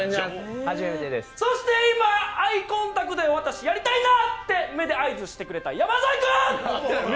そして今、アイコンタクトで私やりたいなって目で合図してくれた山添君！